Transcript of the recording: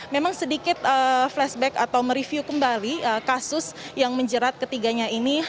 memang sedikit flashback atau mereview kembali kasus yang menjerat ketiganya ini